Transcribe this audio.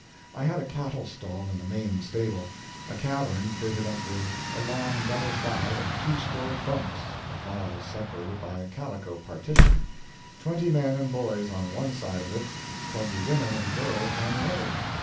I had a cattle stall in the main stable a cavern fitted up with a long double file of two storied bunks, the files separated by a calico partition twenty men and boys on one side of it, twenty women and girls on the other.